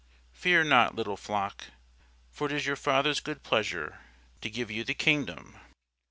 Fear not, little flock; for it is your Father's good pleasure to give you the kingdom.